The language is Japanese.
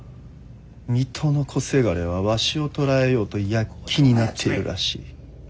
水戸の小せがれはわしを捕らえようと躍起になっているらしい。